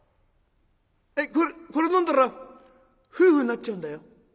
えっこれこれ飲んだら夫婦になっちゃうんだよ？